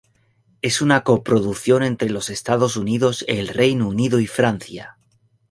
Es una coproducción entre los Estados Unidos, el Reino Unido y Francia.